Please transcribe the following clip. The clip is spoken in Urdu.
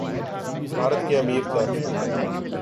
بھارت کے امیر تر